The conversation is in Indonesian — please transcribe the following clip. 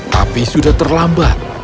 tapi sudah terlambat